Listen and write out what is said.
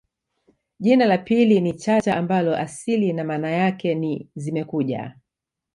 jina la pili ni Chacha ambalo asili na maana yake ni zimekuja